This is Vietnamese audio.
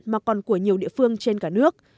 mà còn của nhiều địa phương trên cả nước